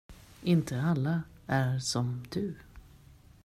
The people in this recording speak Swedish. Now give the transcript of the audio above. Inte alla är som du.